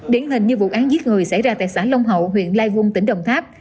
điển hình như vụ án giết người xảy ra tại xã long hậu huyện lai vung tỉnh đồng tháp